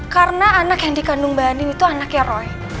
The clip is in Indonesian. karena anak yang dikandung bani itu anaknya roy